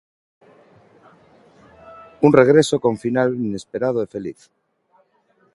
Un regreso con final inesperado e feliz.